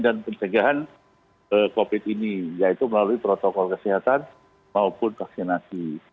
dan pencegahan covid ini yaitu melalui protokol kesehatan maupun vaksinasi